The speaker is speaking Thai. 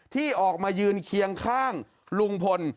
ที่ออกมายืนเคียงข้างลุงพล